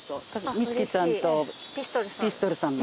充希さんとピストルさんの。